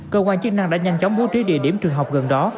cơ quan chức năng đã nhanh chóng bố trí địa điểm trường học gần đó